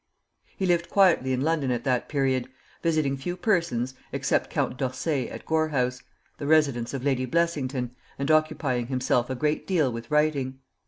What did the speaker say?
He lived quietly in London at that period, visiting few persons except Count D'Orsay at Gore House, the residence of Lady Blessington, and occupying himself a great deal with writing.